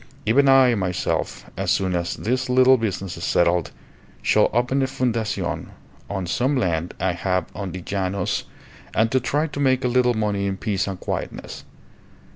Even I, myself, as soon as this little business is settled, shall open a fundacion on some land I have on the llanos and try to make a little money in peace and quietness.